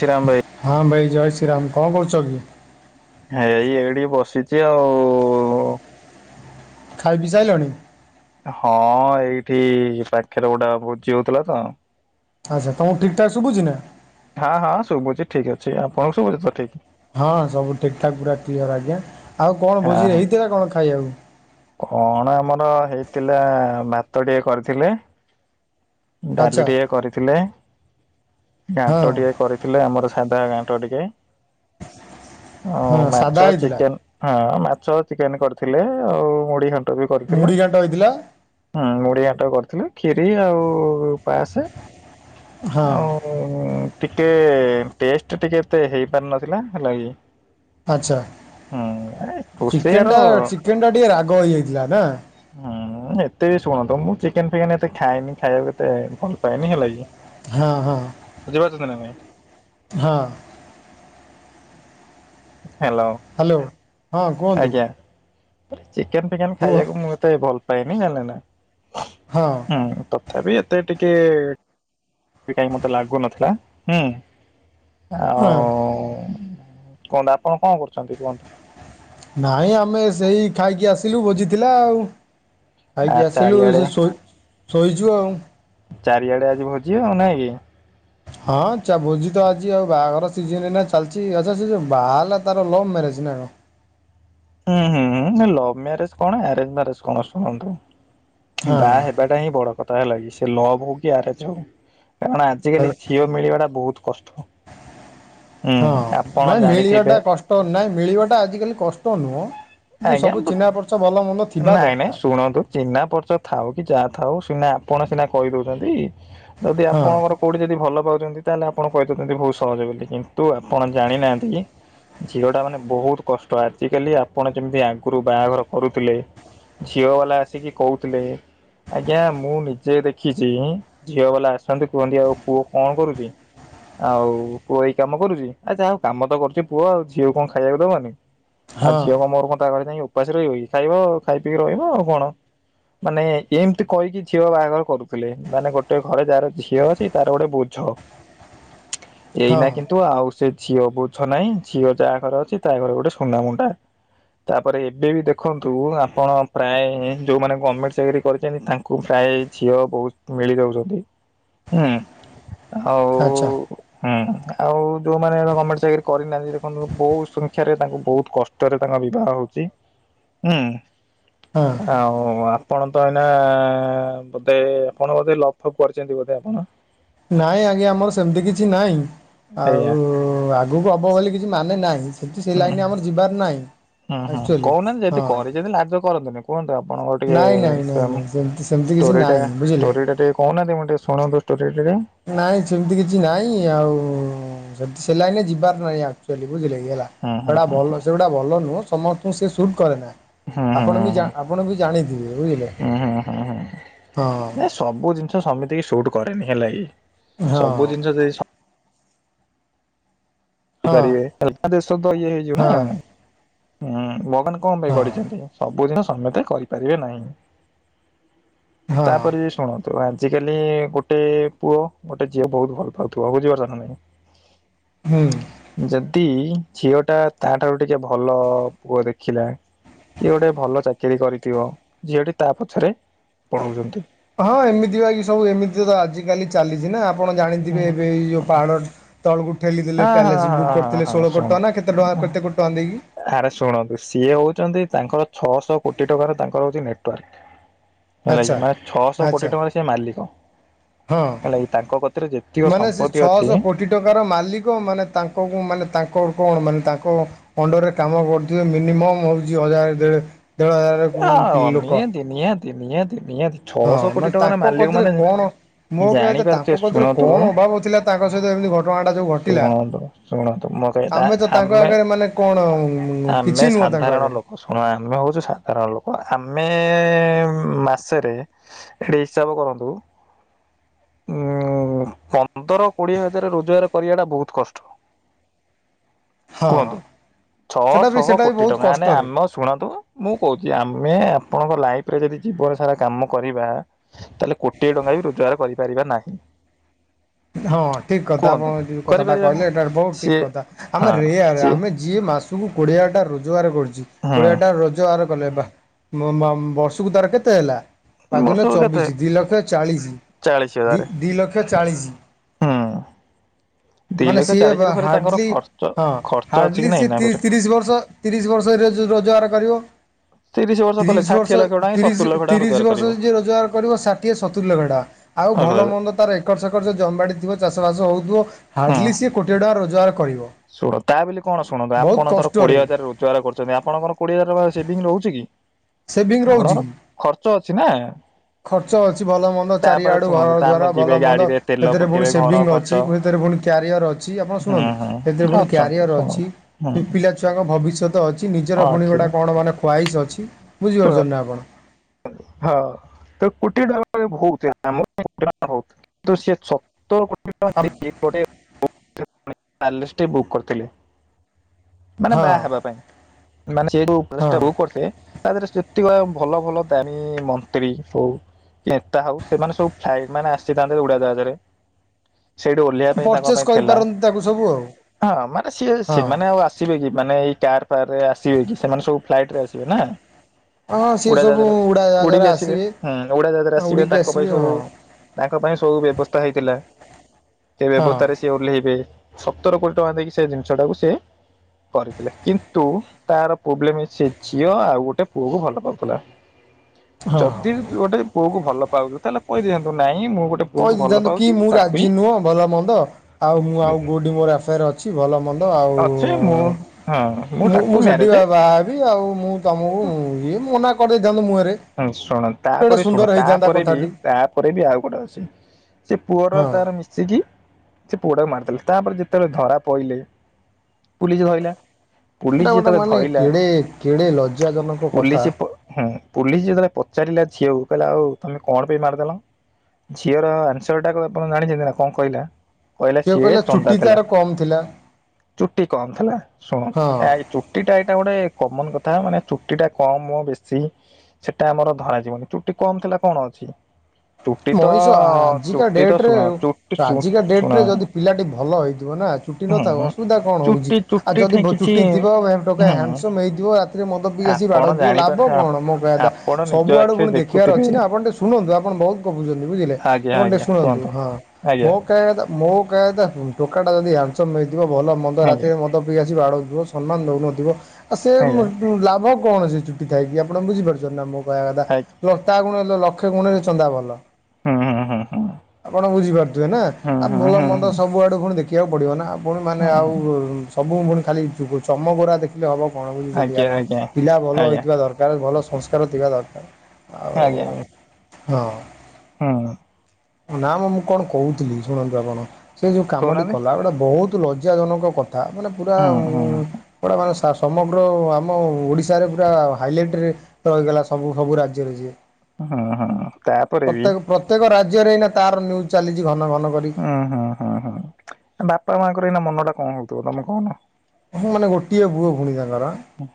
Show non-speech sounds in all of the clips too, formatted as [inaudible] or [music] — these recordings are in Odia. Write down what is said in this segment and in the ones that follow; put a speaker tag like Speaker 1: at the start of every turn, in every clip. Speaker 1: ଶିରାମଭାଇ
Speaker 2: ହଁ ଭାଇ ଜୟ ଶ୍ରୀରାମ କଣ କରୁଚନ୍ତି।
Speaker 1: ଏଇ ଏଇଠିକି ବସିଛି ଆଉ ଉ
Speaker 2: ଖାଇ ପିଇ ସାଇଲଣି?
Speaker 1: ହଁ ଏଇଠି ପାଖରେ ଗୋଟାଏ ଭୋଜି ହଉଥିଲା ତ।
Speaker 2: ଆଚ୍ଛା ତମକୁ ଠିକଠାକ୍ ଶୁବୁଚି ନା?
Speaker 1: ହଁ ହଁ ଶୁବୁଚି ଠିକ୍ ଅଛି ଆପଣଙ୍କୁ ଶୁଭୁଚି ତ ଠିକ?
Speaker 2: ହଁ ସବୁ ଠିକ୍ ଠାକ୍ ପୁରା କ୍ଳିଅର ଆଜ୍ଞା ଆଉ କଣ
Speaker 1: ହଁ
Speaker 2: ଭୋଜି
Speaker 1: ହଁ।
Speaker 2: ହେଇଥିଲା କଣ ଖାଇବାକୁ
Speaker 1: କଣ ଆମର ହେଇଥିଲା ଭାତ ଟିକେ କରିଥିଲେ। ଡାଲି
Speaker 2: ଆଚ୍ଛା
Speaker 1: ଟିକେ କରିଥିଲେ ଘାଣ୍ଟ
Speaker 2: ହଁ
Speaker 1: ଟିକେ କରିଥିଲେ ଆମର ସା ସାଦା ଘାଣ୍ଟ ଟିକେ
Speaker 2: ହଁ
Speaker 1: ଆଉ
Speaker 2: ସାଧା
Speaker 1: ମାଛ
Speaker 2: ହେଇଥିଲା।
Speaker 1: ଚିକେନ ହଁ ମାଛ ଚିକେନ କରିଥିଲେ ଆଉ ମୁଢି ଘାଣ୍ଟ ବି କରିଥିଲେଁ
Speaker 2: ମୁଢ଼ି ଘାଣ୍ଟ ହେଇଥିଲା
Speaker 1: ହୁଁ ମୁଢ଼ି ଘାଣ୍ଟ କରି ଥିଲା କ୍ଷୀରି ଆଉ ପାଶେ
Speaker 2: ହଁ
Speaker 1: ଆଉ ଟିକେ ଟେଷ୍ଟ ଟିକେ ଏତେ ହେଇପାରିନଥିଲା ହେଲା କି
Speaker 2: ଆଚ୍ଛା,
Speaker 1: ହୁଁ ଏ ରୋଷେଇଆର
Speaker 2: ଚିକେନ ଟା ଚିକେନ ଟା ଟିକେ ରାଗ ହେଇଯାଇଥିଲା ନା?
Speaker 1: ହୁଁ ଏତେ ବି ଶୁଣନ୍ତୁ ମୁଁ ଚିକେନ ଫିକେନ ଏତେ ଖାଏନି ଖାଇବାକୁ କେତେ ଭଲ ପାଏନି ହେଲା କି।
Speaker 2: ହଁ ହଁ,
Speaker 1: ବୁଝିପାରୁଛନ୍ତି ନା [inaudible]
Speaker 2: ହଁ,
Speaker 1: ହ୍ୟାଲୋ
Speaker 2: ହ୍ୟାଲୋ ହଁ କୁହନ୍ତୁ।
Speaker 1: ଆଜ୍ଞା ଚିକେନ ଫିକେନ
Speaker 2: କୁହ
Speaker 1: ଖାଇବାକୁ ମୁଁ ଏତେ ଭଲ ପାଏନି ନା ନା ନା।
Speaker 2: ହଁ
Speaker 1: ହୁଁ ତ, ତଥାପି ଏତେ ଟିକେ କାଇଁ ମତେ ଲାଗୁନଥିଲା ହୁଁ।
Speaker 2: ହଁ
Speaker 1: ଆଉ କୁହନ୍ତୁ ଆପଣ କଣ କରୁଛନ୍ତି କୁହନ୍ତୁ?
Speaker 2: ନାଇଁ ଆମେ ସେଇ ଖାଇକି ଆସିଲୁ ଭୋଜିଥିଲା ଆଉ।
Speaker 1: ଆ
Speaker 2: ଖାଇକି ଆସିଲୁ
Speaker 1: ଚାରିଆଡେ
Speaker 2: ସେ ଶୋଇ ଶୋଇଛୁ ଆଉ।
Speaker 1: ଚାରିଆଡେ ଆଜି ଭୋଜି ଆଉ ନାଇଁ କି।
Speaker 2: ହଁ ଭୋଜି ତ ଆଜି ଆଉ ବାହାଘର ସିଜନ ଏଇନା ଚାଲିଛି ଆ ବାହାର ତାର ଲଭ ମ୍ୟାରେଜ ନା ନା,
Speaker 1: ହୁଁ ହୁଁ ହୁଁ ଲଭ ମ୍ୟାରେଜ କଣ ଆରେଞ୍ ମ୍ୟାରେଜ କଣ ଶୁଣନ୍ତୁ
Speaker 2: ହଁ
Speaker 1: ବାହା ହେବାଟା ହିଁ ବଡ କଥା ହେଲା କି ସେ ଲଭ୍ ହଉ କି ଆରେଞ୍ଜେ ହଉ। କାରଣ ଆଜିକାଲି ଝିଅ ମିଳିବା ଟା ବହୁତ କଷ୍ଟ ହୁଁ
Speaker 2: [inaudible] ହଁ
Speaker 1: ଆପଣ
Speaker 2: ନାଇଁ ମିଳିବା
Speaker 1: ଜାଣିଥିବେ
Speaker 2: ଟା କଷ୍ଟ ନାଇଁ ମିଳିବା ଟା ଆଜିକାଲି କଷ୍ଟ ନୁହଁ କିନ୍ତୁ
Speaker 1: ଆଜ୍ଞା
Speaker 2: ସବୁ
Speaker 1: ବୁ
Speaker 2: ଚିହ୍ନା ପରିଚୟ ଭଲ ମନ୍ଦ ଥିବା
Speaker 1: ନାଇଁ ନାଇଁ
Speaker 2: ଦରକାର
Speaker 1: ଶୁଣନ୍ତୁ ଚିହ୍ନା ପରିଚୟ ଥାଉ କି ଯାହା ଥାଉ ସିନା ଆପଣ ସିନା କହିଦଉଛନ୍ତି ଯଦି
Speaker 2: ହଁ
Speaker 1: ଆପଣଙ୍କର କୋଉଠି ଯଦି ଭଲ ପାଉଛନ୍ତି ତାହେଲେ ଆପ ଆପଣ କହି ବହୁତ ସହଜ ବୋଲି କିନ୍ତୁ ଆପଣ ଜାଣିନାହାନ୍ତି କି ଝିଅ ଟା ମାନେ ବହୁତ କଷ୍ଟ ଆଜିକାଲି ଆପଣ ଯେମିତି ଆଗରୁ ବାହାଘର କରୁଥିଲେ ଝିଅ ବାଲା ଆସିକି କହୁଥିଲେ, ଆଜ୍ଞା ମୁଁ ନିଜେ ଦେଖିଛି ଝିଅ ବାଲା ଆସିଛନ୍ତି କୁହନ୍ତି ଆଉ ପୁଅ କଣ କରୁଛି? ଆଉ ପୁଅ ଏଇ କାମ କରୁଚି ଆଚ୍ଛା ଆଉ କାମ ତ କରୁଚି ପୁଅ ଆଉ ଝିଅକୁ କଣ ଖାଇବାକୁ ଦବନି। ଆଉ
Speaker 2: ହଁ
Speaker 1: ଝିଅ କ ମୋର କଣ ତା କରେ ଯାଇ ଉପାସ ରହିିବକି ଖାଇବ ଖାଇ ପିକି ରହିବ ଆଉ କଣ। ମାନେ ଏମତି କହିକି ଝିଅ ବାହାଘର କରୁଥିଲେ, ମାନେ ଗୋଟେ ଘରେ ଯାାର ଝିଅ ଅଛି ତାର ଗୋଟେ ବୋ ଛଅ।
Speaker 2: ହ
Speaker 1: ଏଇନା କିନ୍ତୁ ଆଉ ସେ ଝିଅ ବୁଝଛ ନାହିଁ ଝିଅ ଯାହା ଘରେ ଅଛି ତା ଘରେ ଗୋଟେ ସୁନା ମୁଣ୍ଡା। ତାପରେ ଏବେ ବି ଦେଖନ୍ତୁ ଆପଣ ପ୍ରାୟ ଯୋଉମାନେ ଗମେଣ୍ଟ ଚାକିରି କରିଛନ୍ତି ତାଙ୍କୁ ପ୍ରାୟ ଝିଅ ବହୁତ ମିଳି ଯାଉଛନ୍ତି। ହୁଁ ଆଉ
Speaker 2: ଆଚ୍ଛା
Speaker 1: ହୁଁ। ଆଉ ଯେଉଁମାନେ ଗମେଣ୍ଟ ଚାକିରି କରିନାହାନ୍ତି ଦେଖନ୍ତୁ ବହୁତ ସଂଖ୍ୟାରେ ତାଙ୍କୁ ବହୁତ କଷ୍ଟରେ ତାଙ୍କ ବିବାହ ହ ହୁଁ
Speaker 2: ହଁ
Speaker 1: ଆଉ। ଆପଣ ତ ଏଇନା ବୋଧେ ଆପଣ ବୋଧେ ଲପ ଫପ୍ କରିଛନ୍ତି ବୋଧେ ଆପଣ?
Speaker 2: ନାଇଁ ଆଜ୍ଞା ଆମର ସେମତି କିଛି ନାଇଁ।
Speaker 1: ଆଜ୍ଞା
Speaker 2: ଆଉ ଆଗକୁ ହବ ବୋଲି କିଛି ମାନେ ନାହିଁ। ସେ
Speaker 1: ହୁଁ
Speaker 2: ଲାଇନ ଆମର ଯିବାର ନାହିଁ।
Speaker 1: ହୁଁ ହୁଁ
Speaker 2: ଆକ୍ଚୁଆଲି
Speaker 1: କହୁନାହାନ୍ତି ଯଦି
Speaker 2: ହଁ
Speaker 1: କରି ଯଦି ଲାଜ କରନ୍ତୁନି କୁହନ୍ତୁ ଆପଣଙ୍କର ଟିକେ
Speaker 2: ନାଇଁ ନାଇଁ ନାଇଁ
Speaker 1: ପ୍ରେ
Speaker 2: ନାଇଁ ସେମିତି ସେମିତି କିଛି
Speaker 1: ଷ୍ଟୋରି
Speaker 2: ନାହିଁ ବୁଝିଲେ।
Speaker 1: ଷ୍ଟୋରି ଟା ଟିକେ କୋହୁନାହାନ୍ତି, ମୂଁ ଟିକିଏ ଶୁଣନ୍ତୁ? ଷ୍ଟୋରି ଟା ଟିକେ
Speaker 2: ନାଇଁ ସେମିତି କିଛି ନାଇଁ, ଆଉ ସେ ସେ ଲାଇ ଯିବାର ନାହିଁ ଅକ୍ଚୂଆଲି। ବୁଝିଲେ କି ହେଲା
Speaker 1: ହୁଁ ହୁଁ
Speaker 2: ସେଟା
Speaker 1: ହୁଁ
Speaker 2: ଭଲ ସେଗୁଟା ଭଲ ନୁହଁ ସମସ୍ତଙ୍କୁ ସେ ସୁଟ୍ କରେ ନା।
Speaker 1: ହୁଁ ହୁଁ
Speaker 2: ଆପଣ ବି
Speaker 1: ହୁଁ
Speaker 2: ଆପଣ ବି ଜାଣିଥିବେ ବୁଝିଲେ?
Speaker 1: ହୁଁ ହୁଁ ହୁଁ
Speaker 2: ହଁ
Speaker 1: ନା ସବୁ ଜିନିଷ ସେମିତିକ ସୁଟ କରେନି ହେଲା କିି
Speaker 2: ହଁ।
Speaker 1: ସବୁ ଜିନିଷ ଯ
Speaker 2: ହଁ
Speaker 1: ପାରିବେ ଦେଶ ତ ଇଏ ହେଇଯିବ
Speaker 2: ହଁ
Speaker 1: ନା? ନା କଣ ପାଇଁ
Speaker 2: ହଁ
Speaker 1: କରିଛନ୍ତି ସବୁ ଜିନିଷ ସମସ୍ତେ କରିପାରିବେ ନାହିଁ।
Speaker 2: ହଁ।
Speaker 1: ତାପରେ ବି ଶୁଣ ତ ଆଜିିକାଲି ଗୋଟେ ପୁଅ ଗୋଟେ ଝିଅ ବହୁତ ଭଲ ପାଉଥିବ ବୁଝିପାରୁଛ ନାଇଁ?
Speaker 2: ହୁଁ।
Speaker 1: ଯଦି ଝିଅ ଟା ତା ଠାରୁ ଟିକେ ଭଲ ପୁଅ ଦେଖିଲା କିଏ ଗୋଟେ ଭଲ ଚାକିରିୀ କରିଥିବ ଝିଅଟି ତା ପଛରେ ପଳଉଛନ୍ତି
Speaker 2: ହଁ ଏମିତି ବା କି ସବୁ ଏମିତି ତ ଆଜିିକାଲି ଚାଲିଚି ନା। ଆପଣ
Speaker 1: ହୁଁ
Speaker 2: ଜାଣିଥିବେ ଏବେ ଏଇ ଯେଉଁ ପାହାଡ଼ ତଳକୁ ଠେଥିଲେ
Speaker 1: ହଁ ହଁ
Speaker 2: ପ୍ୟାଲେସ୍ ବୁକ୍
Speaker 1: ହଁ ହଁ
Speaker 2: କରିଥିଲେ
Speaker 1: ହଁ
Speaker 2: ଷୋଳ କୋଟି
Speaker 1: ଶୁଣ
Speaker 2: ଟଙ୍କା ନା କେତେ ଟଙ୍କା କେତେ କୋଟି ଟଙ୍କା ଦେଇକି?
Speaker 1: ଆରେ ଶୁଣନ୍ତୁ ସିଏ ହଉଛନ୍ତି ତାଙ୍କର ଛଅଶହ କୋଟି ଟଙ୍କାର ତାଙ୍କର ହଉଛି ନେଟୱାଥ। ହେଲା
Speaker 2: ଆଚ୍ଛା
Speaker 1: ମାନେ ଛଅଶହ
Speaker 2: ଆଚ୍ଛା
Speaker 1: କୋଟି ଟଙ୍କାରେ ସେଇ ମାଲିକ।
Speaker 2: ହଁ
Speaker 1: ହେଲା କି ତାଙ୍କ କତିରେ ଯେତିକ
Speaker 2: ମାନେ ସେ
Speaker 1: ସମ୍ପତ୍ତି ଅଛି
Speaker 2: ଛଅଶହ କୋଟି ଟଙ୍କାର ମାଲିକ ମାନେ ତାଙ୍କ ମାନେ ତାଙ୍କ କଣ ମାନେ ତାଙ୍କ ଅଣ୍ଡରରେ କାମ କରୁିବେ ମିନିମମ ହଉଚି ହଜାର ଦେ ଦେଳ
Speaker 1: ଆ
Speaker 2: ହଜାରଥିଲି ଲୋକ।
Speaker 1: ନିହାତି ନିହାତି ନିହାତି ନିହାତି
Speaker 2: ହଁ
Speaker 1: ଛଅଶହ କୋଟି
Speaker 2: ମାନେ
Speaker 1: ଟଙ୍କାର
Speaker 2: ତାଙ୍କ
Speaker 1: ମାଲିକ
Speaker 2: କତିରେ
Speaker 1: ମାନେ
Speaker 2: କଣ ମୋ କହିବା ତାଙ୍କ
Speaker 1: ଜାଣିପାରୁଥିବେ
Speaker 2: କତିରେ
Speaker 1: ଶୁଣନ୍ତୁ
Speaker 2: କଣ ଅଭାବ ଥିଲା ତାଙ୍କ ସହିତ ଏମିତି ଘଟଣାଟା ଯେଉଁ ଘଟିଲା।
Speaker 1: ଶୁଣନ୍ତୁ ଶୁଣନ୍ତୁ। ମୋ କହିବାକଥା
Speaker 2: ତ ତାଙ୍କ
Speaker 1: ଆମେ
Speaker 2: ଆଗରେ ମାନେ କଣ କିଛି
Speaker 1: ଆମେ
Speaker 2: ନୁହଁ ତାଙ୍କ
Speaker 1: ସାଧାରଣ
Speaker 2: ଆଗରେ।
Speaker 1: ଲୋକ ଶୁଣ ଆମେ ହଉଛୁ ସାଧାରଣ ଆମେ ମାସରେ ଏଟି ହିସାବ କରନ୍ତୁ ଉଁ ପନ୍ଦର କୋଡିଏ ହଜାର ରୋଜଗାର କରିବା ଟା ବହୁତ କଷ୍ଟ।
Speaker 2: ହଁ।
Speaker 1: କୁହନ୍ତୁ।
Speaker 2: ସେଟା ବି
Speaker 1: ଛଅଶହ
Speaker 2: ସେଟା ବି
Speaker 1: କୋଟି
Speaker 2: ବହୁତ
Speaker 1: ଟଙ୍କା ନ
Speaker 2: କଷ୍ଟରେ।
Speaker 1: ଆମେ ଶୁଣନ୍ତୁ ମୁଁ କହୁଛି ଆମେ ଆପଣଙ୍କ ଲାଇଫ ରେ ଯଦି ଜୀବନ ସାରା କାମ କରିବା ତାହେଲେ ଗୋଟିଏ ଟଙ୍କା ବି ରୋଜଗାର କରି ପାରିବା ନାହିଁ।
Speaker 2: ହଁ ଠିକ କଥା
Speaker 1: କୁହନ୍ତୁ
Speaker 2: ଆପଣ ଯ କଥାଟା
Speaker 1: କରିପାରିବାନି
Speaker 2: କହିଲେ ଏଟା ବୋହୁତ ଠିକ
Speaker 1: ସିଏ
Speaker 2: କଥା ଆମେ
Speaker 1: ହଁ
Speaker 2: ରେୟ
Speaker 1: ସିଏ
Speaker 2: ଆମେ ଯିଏ ମାସ ସୁ କଡିଆ ଟା ରୋଜଗାର କରୁଚି କଡିଆ
Speaker 1: ହୁଁ
Speaker 2: ଟା ରୋଜଗାର କ ବର୍ଷକୁ ତାର କେତେ ହେଲା? ବାର ଦୁନେ
Speaker 1: ବର୍ଷକୁ କେତେ
Speaker 2: ଚବିଶ ଦି ଲକ୍ଷ ଚାଳିଶ
Speaker 1: ଚାଳିଶ
Speaker 2: ଦି,
Speaker 1: ହଜାର
Speaker 2: ଦି ଲକ୍ଷ ଚାଳିଶ
Speaker 1: ହୁଁ ଦି
Speaker 2: ମାନେ
Speaker 1: ଲକ୍ଷ
Speaker 2: ସିଏ
Speaker 1: ଚାଳିଶରେ ଫେରେ ତାଙ୍କର
Speaker 2: ହାର୍ଡଲି
Speaker 1: ଖର୍ଚ୍ଚ
Speaker 2: ହଁ
Speaker 1: ଖର୍ଚ୍ଚ ଅଛି କି
Speaker 2: ହାର୍ଡଲି
Speaker 1: ନାଇଁ ନା
Speaker 2: ସିଏ
Speaker 1: ଫେରେ
Speaker 2: ତିରିଶ ବର୍ଷ ତିରିଶ ବର୍ଷରେ ଯୋଉ ରୋଜଗାର କରିବ।
Speaker 1: ତିରିଶ ବର୍ଷ କଲେ
Speaker 2: ତିରିଶ
Speaker 1: ଷାଠିଏ
Speaker 2: ବର୍ଷ
Speaker 1: ଲକ୍ଷ ଟଙ୍କା କି ସତୁରି
Speaker 2: ତିରିଶ
Speaker 1: ଲକ୍ଷ ଟଙ୍କା ରୋଜଗାର
Speaker 2: ତିରିଶ
Speaker 1: କରିବ
Speaker 2: ବର୍ଷ ଯିଏ ରୋଜଗାର କରିବ ଷାଠିଏ ସତୁୁରି ଲକ୍ଷ ଟଙ୍କା ଆଉ ଭଲ
Speaker 1: ହୁଁ
Speaker 2: ମନ୍ଦ ତାର ଏକର୍ ସାକର ଯ ଥିବ ଚାଷବାସ ହେଉଥିବ ହାର୍ଡ଼ଲି ସିଏ କୋଟିଏ ଟଙ୍କା ରୋଜଗାର କରିବ।
Speaker 1: ଶୁଣ ତା ବୋଲି କଣ ଶୁଣନ୍ତୁ
Speaker 2: ବହୁତ
Speaker 1: ଆପଣ ଥର କୋଡିଏ
Speaker 2: କଷ୍ଟରେ
Speaker 1: ହଜାର ରୋଜଗାର୍ କରୁଛନ୍ତି, ଆପଣଙ୍କର କୋଡ଼ିଏ ହଜାର ସେଭିଙ୍ଗ୍ ରହୁଛି କି?
Speaker 2: ସେଭିଙ୍ଗ ରହୁଛି
Speaker 1: ଆପଣଙ୍କର
Speaker 2: କି?
Speaker 1: ଖର୍ଚ୍ଚ ଅଛି ନା
Speaker 2: ଖର୍ଚ୍ଚ ଅଛି ଭଲ ମନ୍ଦ
Speaker 1: ତାପରେ
Speaker 2: ଚାରିଆଡ଼ୁ
Speaker 1: ଶୁଣନ୍ତୁ
Speaker 2: ଘର
Speaker 1: ତ ଆମେ
Speaker 2: ଦ୍ଵାର
Speaker 1: ଯିବେ
Speaker 2: ଭଲମନ୍ଦ,
Speaker 1: ଗାଡିରେ ତେଲ
Speaker 2: ଏଥିରେ ପୁଣି
Speaker 1: ପକେଇବେ ଘର
Speaker 2: ସେଭିଙ୍ଗ୍
Speaker 1: ଖର୍ଚ୍ଚ
Speaker 2: ଅଛି ହେଥିରେ ପୁଣି କ୍ୟାରିଅର୍ ଅଛି ଆପଣ
Speaker 1: ହୁଁ
Speaker 2: ଶୁଣନ୍ତୁ
Speaker 1: ହୁଁ
Speaker 2: ଏଥିରେ ପୁଣି
Speaker 1: ଅଛନ୍ତି
Speaker 2: କ୍ୟାରିଅର୍
Speaker 1: ଶୁଣ
Speaker 2: ଅଛି। ପି
Speaker 1: ହୁଁ
Speaker 2: ପିଲା ଛୁଆଙ୍କ ଭବିଷ୍ୟତ ଅଛି ନିଜର ପୁଣି
Speaker 1: ଅଛି
Speaker 2: ଗୋଟେ କଣ ମାନେ ଖୁଆଇ- [unintelligible] ବୁଝିପାରୁଛନ୍ତି ନା ଆପଣ
Speaker 1: ହଁ ତ କୋଟିଏ ଟଙ୍କା ବହୁତ୍ [unintelligible] ହଉ ତ ସେ ସତ [unintelligible] [unintelligible] ବୁକ୍ କର ଥିଲେ। ମାନେ ବାହା
Speaker 2: ହଁ
Speaker 1: ହେବା ପାଇଁ ମାନେ ସେ ଯୋଉ ପ୍ଲେଷ୍ଟା
Speaker 2: ହଁ
Speaker 1: ବୁକ୍ କରଥିଲେ ଆ ଦେହରେ ସେତିକ ଭଲ ଭଲ। ଦାନୀ ମନ୍ତ୍ରୀ ହଉ ନେତା ହଉ ସେମାନେ ସବୁ ଫ୍ଲାଇଟ୍ ମାନେ ଆସିଥାନ୍ତି ଉଡ଼ା ଜାହାଜରେ।
Speaker 2: ପର୍ଚେସ୍ କରିପାରନ୍ତି ତାକୁ ସବୁ। ଆଉ।
Speaker 1: ହାଁ ମାନେ ସିଏ
Speaker 2: ହଁ
Speaker 1: ସେମାନେ ଆଉ ଆସିବେ କି ମାନେ ଏଇ କାର୍ କର୍ ରେ ଆସିବେ କି ସେମାନେ ସବୁ ଫ୍ଲାଇଟ୍ ରେ ଆସିବେ ନା।
Speaker 2: ଆଁ ସିଏ ସବୁ ଉଡ଼ାଜାହାଜରେ
Speaker 1: ଉଡ଼ିଯାଏ ସିଏ
Speaker 2: ଆସିବେ
Speaker 1: ହୁଁ ଉଡ଼ାଜାହାଜରେ ଆସିବେ
Speaker 2: ଉଡ଼ିକି
Speaker 1: ତାଙ୍କ ପାଇଁ ସବୁ
Speaker 2: ହଁ
Speaker 1: ତାଙ୍କ ପାଇଁ ସବୁ ବ୍ୟବସ୍ଥା ହେଇଥିଲା। [unintelligible]
Speaker 2: ହଁ
Speaker 1: ସିଏ ଓହ୍ଲେଇବେ ସତର କୋଟି ଟକାଁ ଦେଇକି ସେ ଜିନିଷ ଟାକୁ ସିଏ କରିଥିଲେ କିନ୍ତୁ ତାର ପ୍ରୋବ୍ଲେମ୍ ସେ ଝିଅ ଆଉ ଗୋଟେ ପୁଅ କୁ ଭଲ ପାଉଥିଲା।
Speaker 2: ହଁ
Speaker 1: ଯଦି ବି ତୁ ଗୋଟେ ପୁଅକୁ ଭଲ ପାଉଛୁ ତାହେଲେ କହିଦେଇଥାନ୍ତୁ, ନାଇଁ ମୁଁ ଗୋଟ୍
Speaker 2: କହିଦେଇଥାନ୍ତୁ କି ମୁଁ ରାଜି ନୁଅଁ ଭଲ ମନ୍ଦ ଆଉ ମୁଁ ଆଉ ଗୋଡି ମୋର୍ ଆଫେୟାର୍ ଅଛି ଭଲ ମନ୍ଦ ତ
Speaker 1: ଅଛି ମୁଁ ହଁ
Speaker 2: ଆଉ ମୁ
Speaker 1: ତାକୁ
Speaker 2: ମୁଁ ସେଠି
Speaker 1: ମ୍ୟାରେଜ
Speaker 2: ବା ବାଆ ହେବି, ଆଉ ମୁଁ ତମକୁ ଇଏ ମନା କରଦେଇଥାନ୍ତୁ ମୁଁ ହେ
Speaker 1: ହୁଁ ଶୁଣ ତାପରେ ଶୁଣ ତାପରେ ବି
Speaker 2: କଥାଟି
Speaker 1: ତାପରେ ବି ଆଉ ଗୋଟେ ଅ ଛି। ସେ ପୁଅର
Speaker 2: ହଁ
Speaker 1: ତାର ମିଶିକି ସେ ପୁଅଟା କୁ ମାରିଦେଲେ ତାପରେ ଯେତେବେଳେ ଧରା ପଇଲେ ପୁଲିସ ଧଇଲା।
Speaker 2: ଏଇଟା
Speaker 1: ପୁଲିସ୍
Speaker 2: ଗୋଟେ
Speaker 1: ଯେତେବେଳେ
Speaker 2: ମାନେ
Speaker 1: ଧଇଲା
Speaker 2: କେଡ଼େ କେଡ଼େ ଲଜ୍ଜାଜନକ କଥା।
Speaker 1: ପୁଲିସ୍ ପ ହୁଁ। ପୁଲିସ୍ ଯେତେବେଳେ ପଚାରିଲା ଝିଅକୁ କହିଲା, ଆଉ ତମେ କଣ ପାଇଁ ମାରିଦେଲ? ଝିଅର ଆନ୍ସାରଟା କଣ ଆପଣ ଜାଣିଛନ୍ତି? ନା କଣ କଇଲା? କଇଲା ସିଏ
Speaker 2: କହିଲା
Speaker 1: ଚନ୍ଦା
Speaker 2: ଚୁଟି
Speaker 1: ଥେଲା।
Speaker 2: ତାର କମ୍ ଥିଲା
Speaker 1: ଚୁଟି କମ୍ ଥିଲା ଶୁଣୁ ଏ
Speaker 2: ହଁ
Speaker 1: ଚୁଟି ଟା ଏଇଟା ଗୋଟେ କମନ୍ କଥା ମାନେ ଚୁଟିଟା କମ୍ [unintelligible] ବେଶୀ। ସେଟା ଆମର ଧରାଯିବନି ଚୁଟି କମ୍ ଥିଲା କଣ ଅଛି। ଚୁଟି ତ
Speaker 2: ମଣିଷ ଆ- ଆଜିକା
Speaker 1: ଚୁଟି ତ
Speaker 2: ଡେଟ୍ ରେ
Speaker 1: ଶୁଣ ଚୁଟି ଶୁ
Speaker 2: ଆଜିକା ଡେଟ୍
Speaker 1: ଶୁଣ
Speaker 2: ରେ ଯଦି ପିଲାଟି ଭଲ ହେଇଥିବ ନା ଚୁଟି ନଥାଉ
Speaker 1: ହୁଁ
Speaker 2: ଅସୁବିଧା କଣ ହଉଛି?
Speaker 1: ଚୁଟି
Speaker 2: ଆ
Speaker 1: ଚୁଟି
Speaker 2: ଯଦି
Speaker 1: ଠେଇଁ
Speaker 2: ଭ
Speaker 1: କିଛି
Speaker 2: ଚୁଟି ଥିବ ହେ ଟୋକା
Speaker 1: ହୁଁ
Speaker 2: ହ୍ୟାଣ୍ଡ୍ସମ୍ ହେଇଥିବ ଆ ରେ ମଦ ପି ଆସି
Speaker 1: ଆପଣ
Speaker 2: ବାଡ଼ଉଥିବ ଲାଭ
Speaker 1: ଜାଣିପାର
Speaker 2: କଣ ମୋ କହିଆ କଥା,
Speaker 1: ଆପଣ ନିଜ
Speaker 2: ସବୁଆଡ଼ୁ
Speaker 1: ଆଖିରେ
Speaker 2: ପୁଣି ଦେଖିବାର
Speaker 1: ଦେଖୁଥିବେ
Speaker 2: ଅଛି ନାଁ ଆପଣ୍ ଟିକେ ଶୁଣନ୍ତୁ ଆପଣ୍ ବହୁତ୍ କହୁଛନ୍ତି ବଝିଲେ
Speaker 1: ଆଜ୍ଞା
Speaker 2: ଆପଣ ଟିକେ
Speaker 1: ଆଜ୍ଞା
Speaker 2: ଶୁଣନ୍ତୁ
Speaker 1: କୁହନ୍ତୁ
Speaker 2: ହଁ
Speaker 1: ଆଜ୍ଞା
Speaker 2: ମୋ କଇଆ କଥା ମୋ କଇଆ କଥା ଟୋକାଟା ଯଦି ହ୍ୟାଣ୍ଡସମ୍ ହେଇଥିବ, ଭଲ ମନ୍ଦ
Speaker 1: ଆଜ୍ଞା
Speaker 2: ରାତିରେ ମନ୍ଦ ପିଇ ଆସି ଆସି ବାଡ଼ଉଥିବ ସମ୍ମାନ ଦଉନଥିବ ଆ ସେ
Speaker 1: ଆଜ୍ଞା
Speaker 2: ଲାଭ କୌଣସି ଚୁଟି ଥାଇକି ଆପଣ ବୁଝିପାରୁଛନ୍ତି ନା ମୋ କଇବା କଥା
Speaker 1: ଆଜ୍ଞା
Speaker 2: ଲତା ଗୁଣରେ ଲକ୍ଷେ ଗୁଣରେ ଚନ୍ଦା ଭଲ।
Speaker 1: ହୁଁ ହୁଁ ହୁଁ ହୁଁ ହୁଁ
Speaker 2: ଆପଣ ବୁଝିପାରୁଥିବେ ନା ଆ
Speaker 1: ହୁଁ
Speaker 2: ଭଲ
Speaker 1: ହୁଁ ହୁଁ
Speaker 2: ମନ୍ଦ ସବୁ ଆଡୁ ପୁଣି ଦେଖି [unintelligible] ପଡ଼ିବ ନା ଆପଣ ମାନେ
Speaker 1: ହୁଁ
Speaker 2: ଆଉ
Speaker 1: ହୁଁ
Speaker 2: ସବୁ ଭୁନି ଖାଲି ଚମଗୋରା ଦେଖିଲେ ହବ କଣ ବୁଜୁଛନ୍ତି
Speaker 1: ଆଜ୍ଞା
Speaker 2: ଆପଣ
Speaker 1: ଆଜ୍ଞା
Speaker 2: ପିଲା ଭଲ
Speaker 1: ଆଜ୍ଞା
Speaker 2: ହେଇଥିବା ଦରକାର୍ ଭଲ ସଂସ୍କାର ଥିବା ଦରକାର୍।
Speaker 1: ଆଜ୍ଞା।
Speaker 2: ହଁ।
Speaker 1: ହୁଁ।
Speaker 2: ନାଁ ମ ମୁଁ କଣ କହୁଥିଲି ଶୁଣନ୍ତୁ ଆପଣ ସେ ଯୋଉ କାମଟି
Speaker 1: କହୁନାହାନ୍ତି
Speaker 2: କଲା ବେଳେ ବହୁତ ଲଜ୍ୟା ଜନକ କଥା ମାନେ ପୁରା
Speaker 1: ହୁଁ
Speaker 2: ଉଁ
Speaker 1: ହୁଁ
Speaker 2: ଗଡ଼ା ମାନେ ଶାସ୍ ତମଗ୍ର ଆମ ଓଡ଼ିଶାରେ ପୁରା ହାଇଲେଟ୍ ରେ ରହିଗଲା ସବୁ ସବୁ ରାଜ୍ୟରେ ସିଏ।
Speaker 1: ହୁଁ ହୁଁ ତାପରେ ବି
Speaker 2: ପ୍ରତ୍ୟେକ ରାଜ୍ୟରେ ତାର ନ୍ୟୁଜ୍ ଚାଲିଛି ଘନ ଘନ। କରି
Speaker 1: ହୁଁ ହୁଁ ହୁଁ ହୁଁ ବାପା ମାଙ୍କର ଏଇନା ମନ ଟା କଣ ହଉଥିବ ତମେ କହୁନ।
Speaker 2: ହଁ ମାନେ ଗୋଟିଏ ପୁଅ ଭଉଣୀ ତାଙ୍କର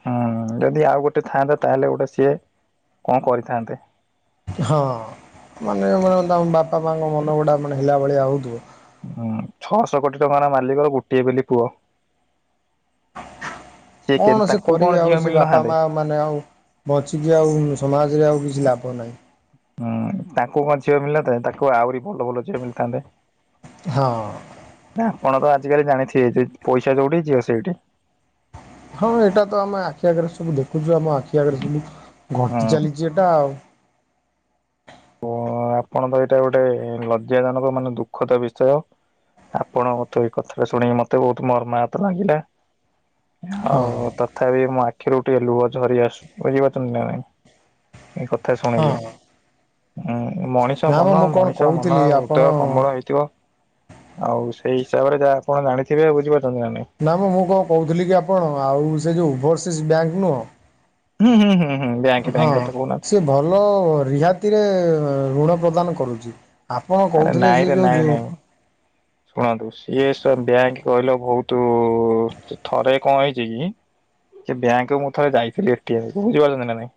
Speaker 1: ହୁଁ ଯଦି ଆଉ ଗୋଟେ ଥାଆନ୍ତା ତାହେଲେ ଗୋଟେ ସିଏ କଣ କରିଥାନ୍ତେ।
Speaker 2: ହଁ ମାନେ ତମ ବାପା ମାଙ୍କ ମନ ଗୁଡା ମାନେ ହେଲା ଭଳିଆ ହଉଥିବ।
Speaker 1: ହୁଁ ଛଅଶହ କୋଟି ଟଙ୍କାର ମାଲିକର ଗୋଟିଏ ବୋଲି ପୁଅ ସିଏ କେ
Speaker 2: କଣ ସେ
Speaker 1: ତାକୁ କଣ
Speaker 2: କରିବେ
Speaker 1: ଝିଅ
Speaker 2: ଆଉ ସେ ବାପା
Speaker 1: ମିଳିନଥାନ୍ତେ।
Speaker 2: ମା ମାନେ ଆଉ ବଞ୍ଚିକି ଆଉ ସମାଜରେ ଆଉ କିଛି ଲାଭ ନାହିଁ।
Speaker 1: ହୁଁ ତାଙ୍କୁ କ ଝିଅ ମିଳିଥାେ ତାଙ୍କୁ ଆହୁରି ଭଲ ଭଲ ଝିଅ ମିଳିଥାନ୍ତେ।
Speaker 2: ହଁ
Speaker 1: ଆପଣ ତ ଆଜିିକାଲି ଜାଣିଥିବେ ପଇସା ଯୋଉଠି ଝିଅ ସେଇଠି।
Speaker 2: ହଁ ଏଇଟା ତ ଆମେ ଆଖି ଆଗରେ ସବୁ ଦେଖୁଛୁ। ଯଉ ଆମ ଆଖି ଆଗରେ ସବୁ
Speaker 1: ହଁ
Speaker 2: ଘଟି ଚାଲିଛି ଏଟା ଆଉ।
Speaker 1: ଓ ଆପଣ ତ ଏଇଟା ଗୋଟେ ଲଜ୍ଜାଜନକ ମାନେ ଦୁଃଖଦ ବିଷୟ। ଆପଣ ତୁ ଏଇ କଥାଟା ଶୁଣିକି ମତେ ବହୁତ ମର୍ମାହତ ଲାଗିଲା।
Speaker 2: ହଁ
Speaker 1: ଆଉ ତଥାପି ମୋ ଆଖିରୁ ଟିକେ ଲୁହ ଝରି ଆସୁଛି ବୁଝିପାରୁଛନ୍ତି ନା ନାଇଁ। ଏ କଥା ଶୁଣିକି।
Speaker 2: ହଁ
Speaker 1: ହୁଁ ମଣିଷ
Speaker 2: ନା ମ
Speaker 1: ମନ
Speaker 2: ମୁଁ କଣ
Speaker 1: ମଣିଷ ମନ
Speaker 2: କହୁଥିଲି ଆପଣ
Speaker 1: ହୃଦୟ କବଳ ହେଇଥିବ। ଆଉ ସେଇ ହିସାବରେ ଯାହା ଆପଣ ଜାଣିଥିବେ ବୁଝିପାରୁ
Speaker 2: ନା ମୁ ମୁଁ କଣ କହୁଥିଲି କି ଆପଣ ଆଉ ସେ ଯୋଉ ଓଭରସିଜ ବ୍ୟାଙ୍କ
Speaker 1: ହୁଁ ହୁଁ ହୁଁ ହୁଁ ବ୍ୟାଙ୍କ
Speaker 2: ନୁହଁ। ହଁ
Speaker 1: ବ୍ୟାଙ୍କ କଥା କହୁନାହାନ୍ତି
Speaker 2: ସେ ଭଲ ରିହାତିରେ ଋଣ ପ୍ରଦାନ କରୁଛି ଆପଣ
Speaker 1: ଆରେ
Speaker 2: କହୁଥିଲେ
Speaker 1: ନାଇଁ
Speaker 2: ସେ
Speaker 1: ରେ ନାଇଁ
Speaker 2: ଯୋଉ
Speaker 1: ନାଇଁ। ଶୁଣନ୍ତୁ ସିଏ ସ ବ୍ୟାଙ୍କ କହିଲ ବହୁତ ଥରେ କଣ ହେଇଛି କି ସେ ବ୍ୟାଙ୍କ ମୁଁ ଥରେ ଯାଇଥିଲି ଏଟାଇମ୍ ବୁଝି ପାରୁଛନ୍ତି ନା ନାଇଁ।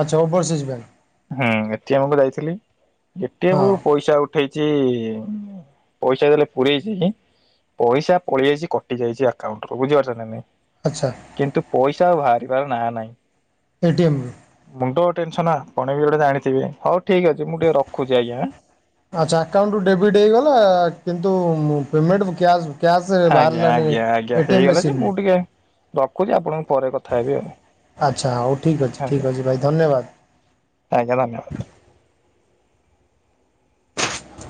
Speaker 2: ଆଚ୍ଛା ଓଭରସିଜ ବ୍ୟାଙ୍କ।
Speaker 1: ହୁଁ ଏଟି ଏମକୁ ଯାଇଥିଲି
Speaker 2: ହଁ
Speaker 1: ଏଟିଏମ ପଇସା ଉଠେଇଛି ପଇସା ଦେଲେ ପୁରେଇଚି ପଇସା ପଳେଇ ଯାଇଛି କଟି ଯାଇଛି ଆକାଉଣ୍ଟ ରୁ ବୁଝିପାରୁଛ ନା ନାଇଁ।
Speaker 2: ଆଚ୍ଛା
Speaker 1: କିନ୍ତୁ ପଇସା ଆଉ ବାହାରିବାର ନାଁ ନାହିଁ।
Speaker 2: ଏଟିଏମ୍
Speaker 1: ମୁଣ୍ଡ ଟେନସନ ଆପଣ ବି ଗୋଟେ ଜାଣିଥିବେ ହଉ ଠିକ ଅଛି ମୁଁ ଟିକେ ରଖୁଛି ଆଜ୍ଞାଁ।
Speaker 2: ଆଚ୍ଛା ଆକାଉଣ୍ଟ ରୁ ଡେବିଟ୍ ହେଇଗଲା କିନ୍ତୁ ପେମେଣ୍ଟ କ୍ୟାସ୍ କ୍ୟାସ
Speaker 1: ଆଜ୍ଞା
Speaker 2: ବାହାରିଲାଣି
Speaker 1: ଆଜ୍ଞା ଆଜ୍ଞା
Speaker 2: ଏଟିଏମ
Speaker 1: ହେଇଗଲା ଯେ
Speaker 2: ମେସିନ ରୁ।
Speaker 1: ମୁଁ ଟିକେ ରଖୁଛି ଆପଣଙ୍କୁ ପରେ କଥା ହେବି ଆଉ
Speaker 2: ଆଚ୍ଛା ହଉ ଠିକ ଅଛି
Speaker 1: ଆଜ୍ଞା
Speaker 2: ଠିକ ଅଛି ଭାଇ ଧନ୍ୟବାଦ।
Speaker 1: ଆଜ୍ଞା ଧନ୍ୟବାଦ।